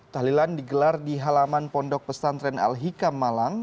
tahlilan digelar di halaman pondok pesantren al hikam malang